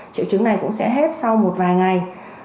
triệu chứng này cũng sẽ hết sau một vài ngày